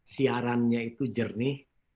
siarannya itu jernih